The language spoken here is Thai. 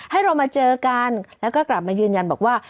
ให้เรามาเจอกันแล้วก็กลับมายืนยันบอกว่า